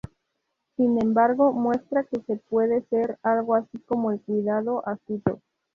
Sin embargo, muestra que puede ser algo así como el cuidado astuto.